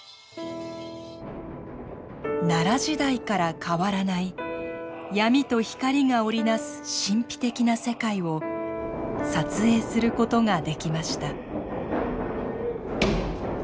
奈良時代から変わらない闇と光が織り成す神秘的な世界を撮影することができました。